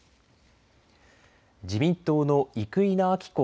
自民党の生稲晃子